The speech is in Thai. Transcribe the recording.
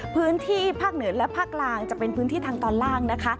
พื้นที่ภาคเหนือและภาคกลางจะเป็นพื้นที่ทางตอนล่างนะคะ